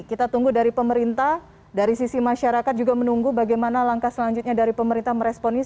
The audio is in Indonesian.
kita tunggu dari pemerintah dari sisi masyarakat juga menunggu bagaimana langkah selanjutnya dari pemerintah meresponnya